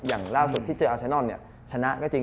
อย่างล่าสุดที่เจออาเซนอนเนี่ยชนะก็จริง